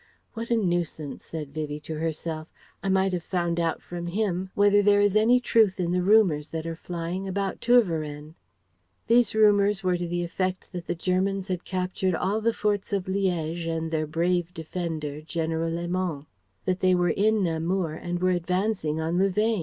"What a nuisance," said Vivie to herself. "I might have found out from him whether there is any truth in the rumours that are flying about Tervueren." These rumours were to the effect that the Germans had captured all the forts of Liège and their brave defender, General Léman; that they were in Namur and were advancing on Louvain.